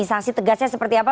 saksi tegasnya seperti apa